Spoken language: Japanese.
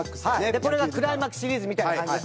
これがクライマックスシリーズみたいな感じです